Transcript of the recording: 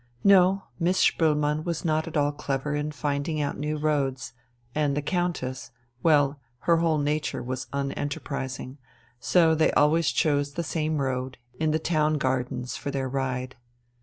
No, Miss Spoelmann was not at all clever in finding out new roads, and the Countess well, her whole nature was unenterprising, so they always chose the same road, in the Town Gardens, for their ride.